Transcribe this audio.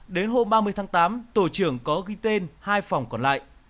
đến hôm ba mươi tháng tám tổ trưởng có ghi tên hai phòng còn lại